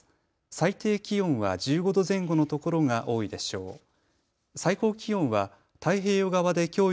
最低気温は１５度前後の所が多いでしょう。